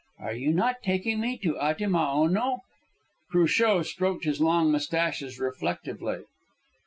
Are you not taking me to Atimaono?" Cruchot stroked his long moustaches reflectively.